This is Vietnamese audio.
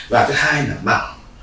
và thứ hai là bằng